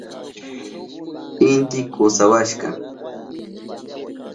Inti kusawashka.